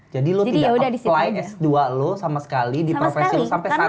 jadi lo tidak apply s dua lo sama sekali di profesi lo sampai saat ini